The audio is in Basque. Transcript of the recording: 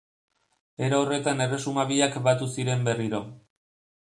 Era horretan erresuma biak batu ziren berriro.